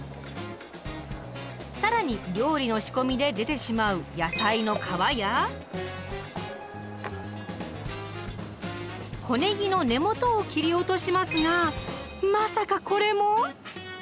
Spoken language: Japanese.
更に料理の仕込みで出てしまう小ねぎの根元を切り落としますがまさかこれも⁉